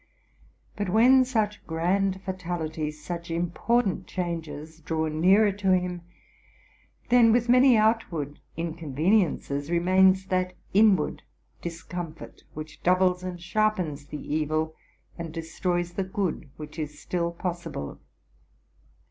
But when such grand fatalities, such important changes, draw nearer to him, 'then with many out ward inconveniences remains that inward discomfort, which doubles and sharpens the evil, and destroys the good which is still possible.